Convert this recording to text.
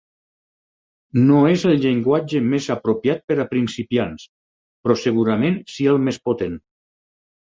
No és el llenguatge més apropiat per a principiants, però segurament si el més potent.